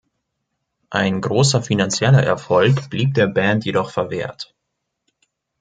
Ein großer finanzieller Erfolg blieb der Band jedoch verwehrt.